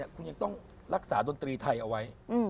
คุณยังต้องรักษาดนตรีไทยเอาไว้